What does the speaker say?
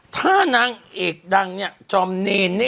ถ้านางเอกดังจอมเข้น